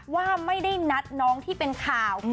ว่าไม่ได้นัดน้องที่เป็นข่าว